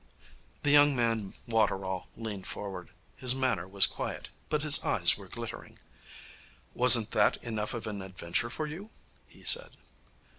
The young man Waterall leaned forward. His manner was quiet, but his eyes were glittering. 'Wasn't that enough of an adventure for you?' he said.